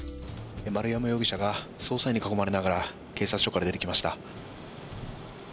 丸山容疑者が捜査員に囲まれながら警察署から出てきました。